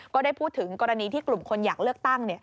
ก็ได้พูดถึงกรณีที่กลุ่มคนอยากเลือกตั้ง